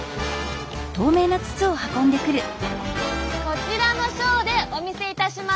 こちらのショーでお見せいたします！